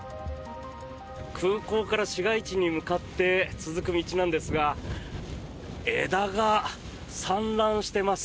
空港から市街地に向かって続く道なんですが枝が散乱しています。